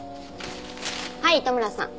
はい糸村さん。